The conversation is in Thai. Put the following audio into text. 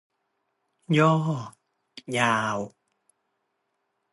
ย่อ : ยาว